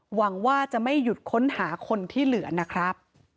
หวังว่าจะไม่หยุดค้นหาคนที่เหลือนะครับ